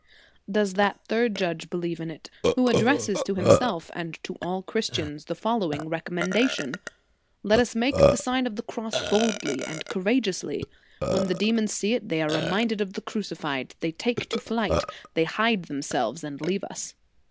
"* Does that third judge believe in it, who addresses to himself and to all Christians the following recommendation: "Let us make the Sign of the Cross boldly and courageously. When the demons see it, they are reminded of the Crucified; they take to flight; they hide themselves and leave us